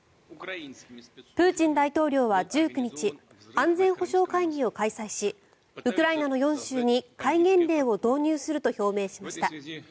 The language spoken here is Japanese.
プーチン大統領は１９日安全保障会議を開催しウクライナの４州に厳戒令を導入すると表明しました。